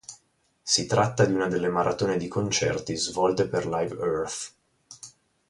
Si tratta di una delle maratone di concerti svolte per "Live Earth".